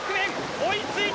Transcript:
追いついた！